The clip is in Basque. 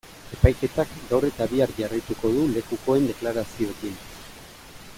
Epaiketak gaur eta bihar jarraituko du lekukoen deklarazioekin.